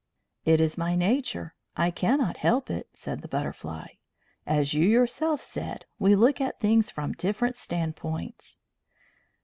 "It is my nature. I cannot help it," said the Butterfly. "As you yourself said, we look at things from different standpoints."